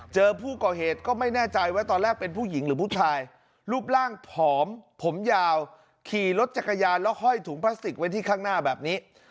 เจอผู้ก่อเหตุก็ไม่แน่ใจว่าตอนแรกเป็นผู้หญิงหรือผู้ชายรูปร่างผอมผมยาวขี่รถจักรยานแล้วห้อยถุงพลาสติกไว้ที่ข้างหน้าแบบนี้